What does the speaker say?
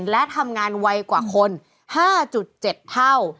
และทำงานไวกว่าคน๕๗เท่า